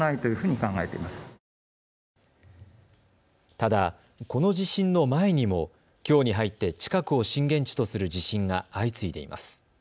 ただ、この地震の前にもきょうに入って近くを震源地とする地震が相次いでいます。